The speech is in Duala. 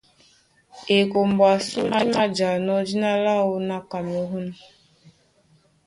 Ekombo ásū dí mājanɔ́ dína láō ná Kamerû.